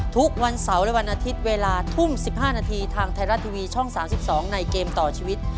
ทุกวันเสาร์และวันอาทิตย์เวลาทุ่ม๑๕นาทีทางไทยรัฐทีวีช่อง๓๒ในเกมต่อชีวิต